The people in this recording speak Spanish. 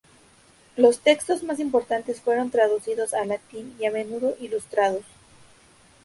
Los textos más importantes fueron traducidos al latín y a menudo ilustrados.